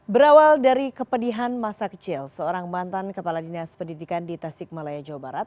berawal dari kepedihan masa kecil seorang mantan kepala dinas pendidikan di tasik malaya jawa barat